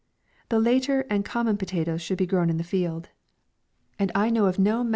The later and common potatoes should be grown in the field ; and I know of no me MAY.